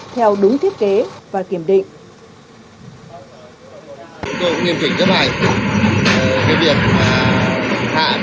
theo đúng thiết kế và kiểm định